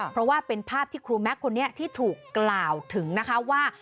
เพราะว่าเป็นภาพที่ครูแม็กซ์คนนี้ที่ถูกกล่าวถึงนะคะว่า